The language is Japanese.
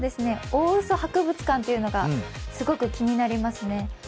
大嘘博物館というのがすごく気になりますね。